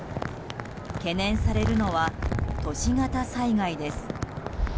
懸念されるのは都市型災害です。